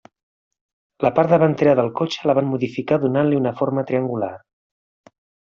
La part davantera del cotxe la van modificar donant-li una forma triangular.